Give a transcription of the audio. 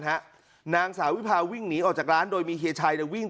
นางสาววิพาวิ่งหนีออกจากร้านโดยมีเฮียชัยเนี่ยวิ่ง